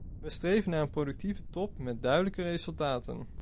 We streven naar een productieve top met duidelijke resultaten.